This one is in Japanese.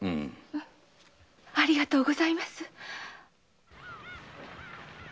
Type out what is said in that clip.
ありがとうございます。